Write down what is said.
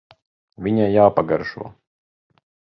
Viņai jāpagaršo.